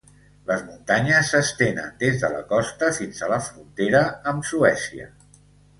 Les muntanyes s'estenen des de la costa fins a la frontera amb Suècia.